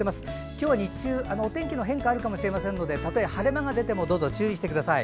今日日中、お天気の変化あるかもしれませんのでたとえ晴れ間が出てもどうぞ注意してください。